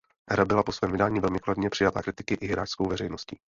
Hra byla po svém vydání velmi kladně přijata kritiky i hráčskou veřejností.